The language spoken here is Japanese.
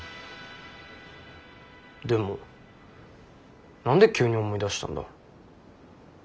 でも何で急に思い出したんだ？